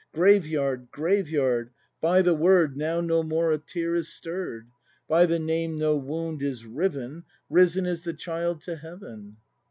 Graveyard! Graveyard! By the word Now no more a tear is stirr'd; By the name no wound is riven, Risen is the child to heaven!